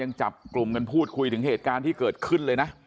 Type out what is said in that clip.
ยังจับกลุ่มกันพูดคุยถึงเหตุการณ์ที่เกิดขึ้นเลยนะ